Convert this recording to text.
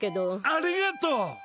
ありがとう。